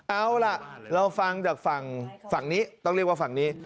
เอาล่ะเราฟังจากฝั่งนี้ต้องเรียกว่าฝั่งนี้